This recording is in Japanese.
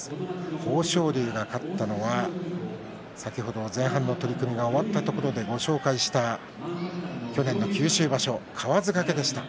豊昇龍が勝ったのは前半の取組が終わったところでご紹介した去年の九州場所かわづ掛けでした。